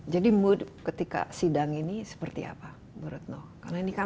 jadi mood ketika sidang ini seperti apa menurut anda